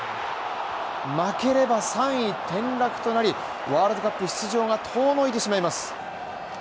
負ければ３位転落となり、ワールドカップ出場が遠のいてしまいます。